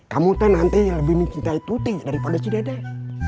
kamu nanti lebih mencintai tuti daripada si dedek